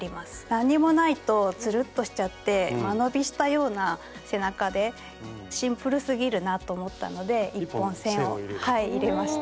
何にもないとツルッとしちゃって間延びしたような背中でシンプルすぎるなと思ったので１本線を入れました。